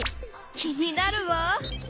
気になるわ。